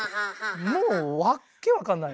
もう訳分かんない。